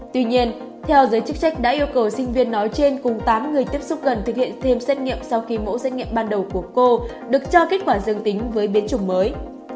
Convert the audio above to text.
tuy nhiên theo giới chức trách đã yêu cầu sinh viên nói trên cùng tám người tiếp xúc gần thực hiện thêm xét nghiệm sau khi mẫu xét nghiệm ban đầu của cô được cho kết quả dương tính với biến chủng mới